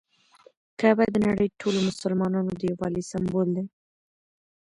کعبه د نړۍ ټولو مسلمانانو د یووالي سمبول ده.